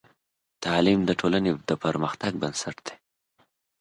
تعلیم د ټولنې د پرمختګ بنسټ دی.